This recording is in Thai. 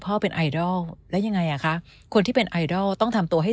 เป็นไอดอลแล้วยังไงอ่ะคะคนที่เป็นไอดอลต้องทำตัวให้